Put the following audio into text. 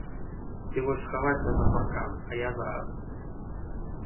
Ты вось схавайся за паркан, а я зараз.